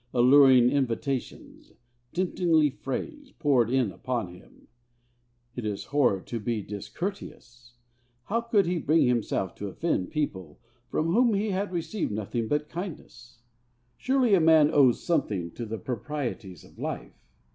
Alluring invitations, temptingly phrased, poured in upon him. It is horrid to be discourteous! How could he bring himself to offend people from whom he had received nothing but kindness? Surely a man owes something to the proprieties of life!